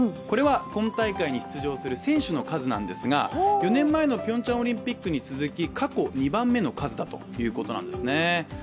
これは今大会に出場する選手の数なんですが４年前のピョンチャンオリンピックに続いて過去２番目の数なんです。